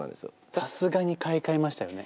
さすがに買い替えましたよね？